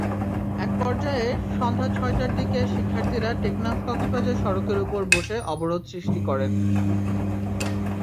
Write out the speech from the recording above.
একপর্যায়ে সন্ধ্যা ছয়টার দিকে শিক্ষার্থীরা টেকনাফ-কক্সবাজার সড়কের ওপর বসে অবরোধ সৃষ্টি করেন।